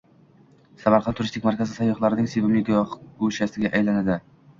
Samarqand turistik markazi sayyohlarning sevimli go‘shasiga aylanadi